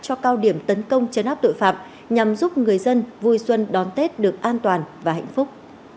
cho cao điểm tấn công chấn áp tội phạm nhằm giúp người dân vui xuân đón tết được an toàn và hạnh phúc